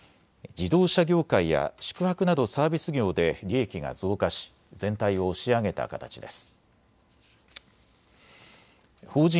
自動車業界や宿泊などサービス業で利益が増加し全体を押し上げた形です。